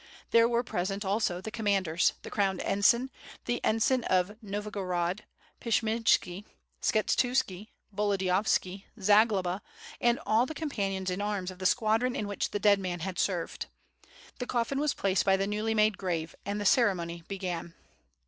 There were present also the commanders, the crown ensign, the en sisrn of Novogorad, Pshiyemj^ki, Skshetuski, Volodiyovski, Zagloba, and all the companions in arms of the squadron in which the dead man had served. The coffin was placed by the newly made grave, and the ceremony began.